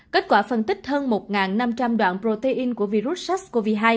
kết quả phân tích hơn một năm trăm linh đoạn protein của virus sars cov hai